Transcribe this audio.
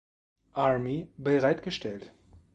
Army bereitgestellt.